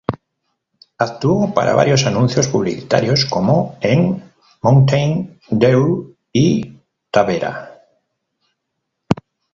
Actuó para varios anuncios publicitarios como en "Mountain" Dew y "Tavera".